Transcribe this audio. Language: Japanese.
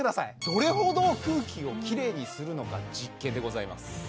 どれほど空気をきれいにするのか実験でございます